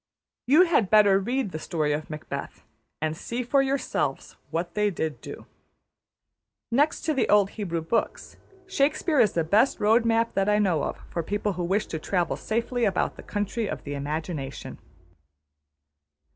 You had better read the story of Macbeth and see for yourselves what they did do. Next to the old Hebrew books, Shakespeare is the best road map that I know of for people who wish to travel safely about the country of the imagination.